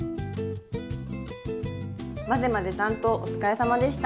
まぜまぜ担当お疲れさまでした。